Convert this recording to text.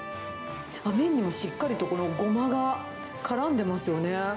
麺にもしっかりと、このゴマが絡んでますよね。